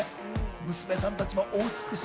娘さんたちもお美しい。